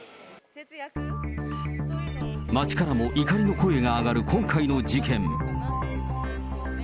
街からも怒りの声が上がる今回の事件。